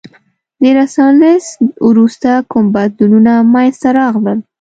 د رنسانس وروسته کوم بدلونونه منځته راغلل؟